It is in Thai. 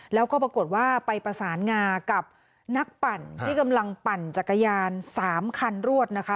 แล้วก็ปรากฏว่าไปประสานงากับนักปั่นที่กำลังปั่นจักรยาน๓คันรวดนะคะ